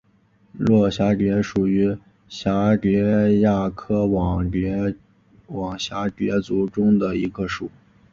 络蛱蝶属是蛱蝶亚科网蛱蝶族中的一个属。